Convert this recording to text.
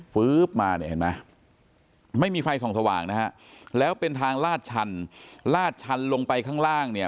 ฟื๊บมาเนี่ยเห็นไหมไม่มีไฟส่องสว่างนะฮะแล้วเป็นทางลาดชันลาดชันลงไปข้างล่างเนี่ย